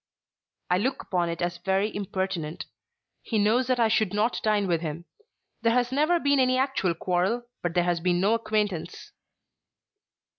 "I look upon it as very impertinent. He knows that I should not dine with him. There has never been any actual quarrel, but there has been no acquaintance."